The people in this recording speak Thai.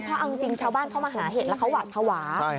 เพราะเอาจริงชาวบ้านเขามาหาเห็ดแล้วเขาหวาดภาวะ